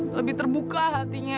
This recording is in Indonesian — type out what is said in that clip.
lebih terbuka hatinya